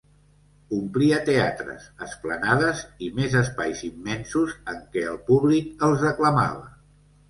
Omplia teatres, esplanades i més espais immensos en què el públic els aclamava.